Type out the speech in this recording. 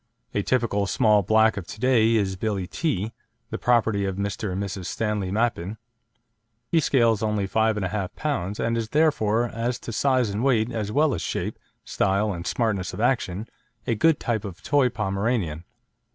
A typical small black of to day is Billie Tee, the property of Mr. and Mrs. Stanley Mappin. He scales only 5 1/2 lb., and is therefore, as to size and weight as well as shape, style, and smartness of action, a good type of a toy Pomeranian.